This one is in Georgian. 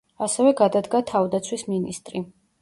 ასევე გადადგა თავდაცვის მინისტრი.